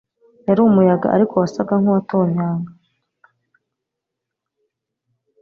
yari umuyaga, ariko wasaga nkuwatonyanga